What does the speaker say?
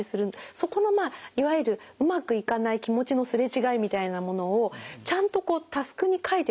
そこのいわゆるうまくいかない気持ちのすれ違いみたいなものをちゃんとタスクに書いてですね。